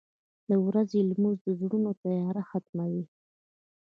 • د ورځې لمونځ د زړونو تیاره ختموي.